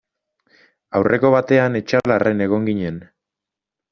Aurreko batean Etxalarren egon ginen.